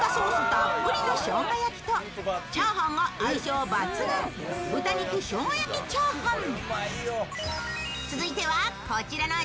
たっぷりの生姜焼きとチャーハンが相性抜群、豚肉生姜焼きチャーハン。